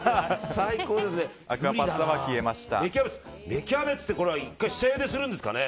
芽キャベツって１回、塩ゆでするんですかね。